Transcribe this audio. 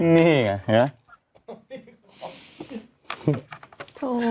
นี่เหรอ